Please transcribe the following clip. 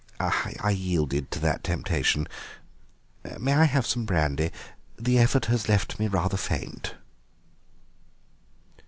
I yielded to that temptation. May I have some brandy? the effort has left me rather faint."